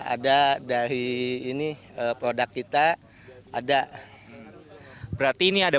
ada dari ini produk kita ada berarti ini ada